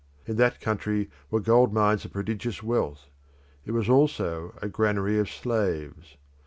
In that country were gold mines of prodigious wealth; it was also a granary of slaves.